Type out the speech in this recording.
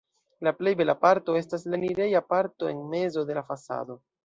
La plej bela parto estas la enireja parto en mezo de la fasado.